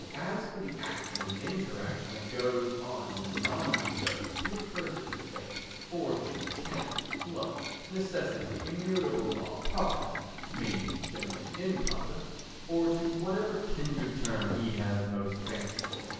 As for the action and interaction that goes on in the non ego, he refers it to fate, fortune, chance, luck, necessity, immutable law, providence (meaning generally improvidence) or to whatever kindred term he has most fancy for.